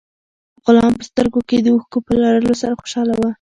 غلام په خپلو سترګو کې د اوښکو په لرلو سره خوشاله و.